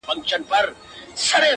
پر اوښ سپور، سپي وخوړ.